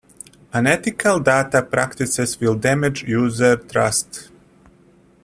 Unethical data practices will damage user trust.